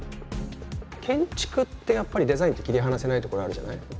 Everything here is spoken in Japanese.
建築ってやっぱりデザインと切り離せないところあるじゃない？